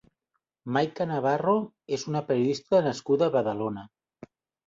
Mayka Navarro és una periodista nascuda a Badalona.